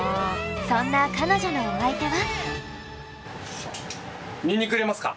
そんな彼女のお相手は？